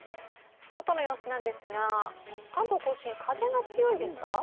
外の様子なんですが、関東甲信、風が強いですか？